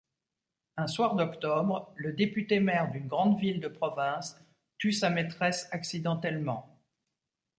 Un soir d'octobre, le député-maire d'une grande ville de province tue sa maîtresse accidentellement.